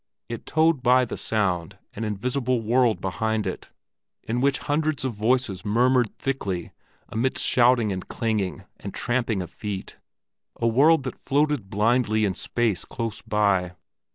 It towed by the sound an invisible world behind it, in which hundreds of voices murmured thickly amidst shouting and clanging, and tramping of feet—a world that floated blindly in space close by.